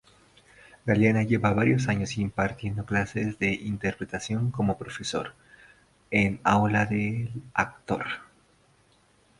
Galiana lleva varios años impartiendo clases de interpretación como profesor en Aula del Actor.